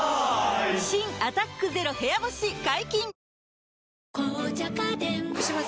新「アタックＺＥＲＯ部屋干し」解禁‼